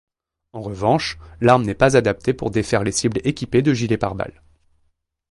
En revanche, l'arme n'est pas adaptée pour défaire des cibles équipées de gilets pare-balles.